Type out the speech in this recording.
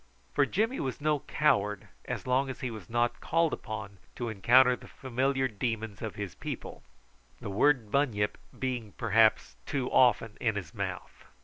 For Jimmy was no coward so long as he was not called upon to encounter the familiar demons of his people, the word bunyip being perhaps too often in his mouth.